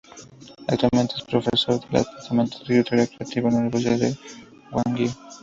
Actualmente es profesor del departamento de Escritura Creativa en la Universidad Gwangju.